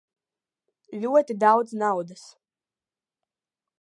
Ļoti daudz naudas.